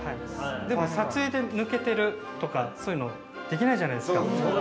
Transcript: ◆でも撮影で抜けているとか、そういうのはできないじゃないですか。